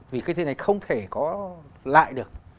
vì cái thứ này không thể có lại được